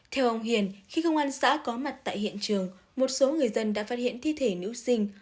theo ông hiền khi công an xã có mặt tại hiện trường một số người dân đã phát hiện thi thể nữ sinh